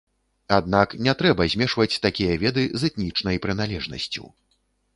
Аднак, не трэба змешваць такія веды з этнічнай прыналежнасцю.